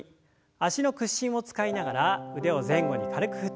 脚の屈伸を使いながら腕を前後に軽く振って。